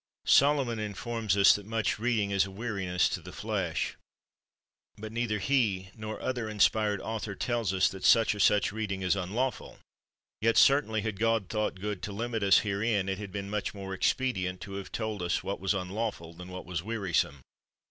Solomon informs us, that much reading is a weariness to the flesh ; but neither he nor other inspired author tells us that such or such reading is unlawful; yet certainly had God thought good to limit us here in, it had been much more expedient to have told us what was unlawful than what was wearisome.